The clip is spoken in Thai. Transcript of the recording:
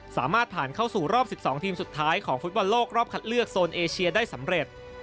สามารถผ่านเข้าสู่รอบ๑๒ทีมสุดท้ายของฟุตบอลโลกรอบคัดเลือกโซนเอเชียได้สำเร็จ